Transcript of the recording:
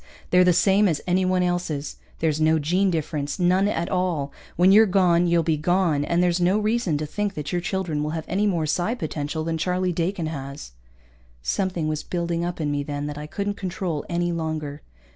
They're the same as anyone else's. There's no gene difference, none at all. When you're gone, you'll be gone, and there's no reason to think that your children will have any more psi potential than Charlie Dakin has." Something was building up in me then that I couldn't control any longer.